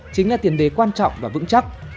chính là tiền đề quan trọng và vững chắc